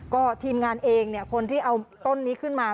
ก็ทีมงานเองเนี่ยคนที่เอาต้นนี้ขึ้นมา